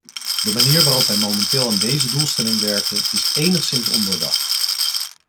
De manier waarop wij momenteel aan deze doelstelling werken, is enigszins ondoordacht.